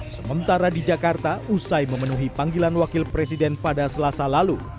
sementara di jakarta usai memenuhi panggilan wakil presiden pada selasa lalu